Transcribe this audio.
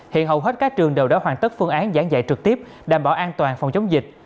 hiện hầu hết các trường đều đã hoàn tất phương án giảng dạy trực tiếp đảm bảo an toàn phòng chống dịch